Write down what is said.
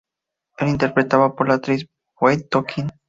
Es interpretada por la actriz Phoebe Tonkin.